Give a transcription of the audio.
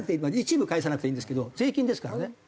一部返さなくていいんですけど税金ですからね。